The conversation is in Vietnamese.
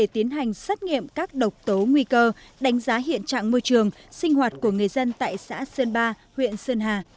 tiến hành xét nghiệm các độc tố nguy cơ đánh giá hiện trạng môi trường sinh hoạt của người dân tại xã sơn ba huyện sơn hà